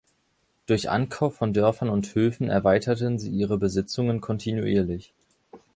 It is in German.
Durch Ankauf von Dörfern und Höfen erweiterten sie ihre Besitzungen kontinuierlich.